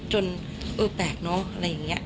เออแปลกเนอะอะไรอย่างนี้